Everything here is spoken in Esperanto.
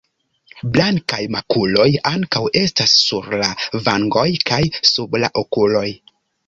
Blankaj makuloj ankaŭ estas sur la vangoj kaj sub la okuloj.